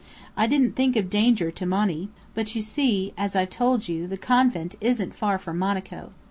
I didn't think of danger to Monny; but you see, as I've told you, the convent isn't far from Monaco.